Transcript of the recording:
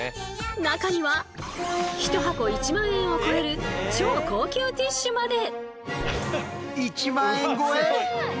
中には１箱１万円を超える超高級ティッシュまで。